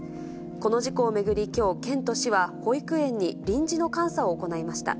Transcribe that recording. この事故を巡りきょう、県と市は、保育園に臨時の監査を行いました。